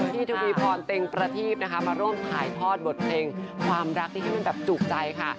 ที่ทุกวีพรเต็งประทีปมาร่วมพลายทอดบทเพลงความรักที่ให้มันจุกใจค่ะ